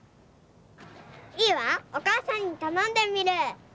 いいわおかあさんにたのんでみる。